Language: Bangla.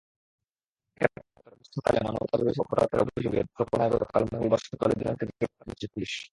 একাত্তরে মুক্তিযুদ্ধকালে মানবতাবিরোধী অপরাধের অভিযোগে নেত্রকোনায় গতকাল মঙ্গলবার সকালে দুজনকে গ্রেপ্তার করেছে পুলিশ।